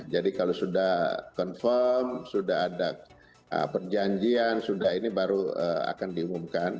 jadi kalau sudah confirm sudah ada perjanjian sudah ini baru akan diumumkan